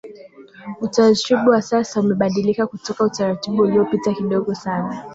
utaratibu wa sasa umebadilika kutoka utaratibu uliopita kidogo sana